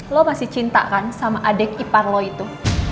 lo masih cinta kan sama adik ipar lo itu